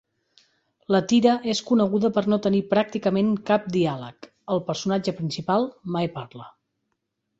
La tira és coneguda per no tenir pràcticament cap diàleg; el personatge principal mai parla.